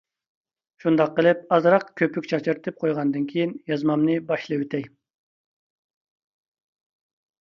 شۇنداق قىلىپ، ئازراق كۆپۈك چاچرىتىپ قويغاندىن كېيىن يازمامنى باشلىۋېتەي.